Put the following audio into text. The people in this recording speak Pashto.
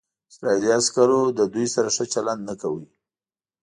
اسرائیلي عسکرو له دوی سره ښه چلند نه کاوه.